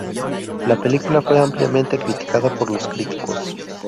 La película fue ampliamente criticada por los críticos.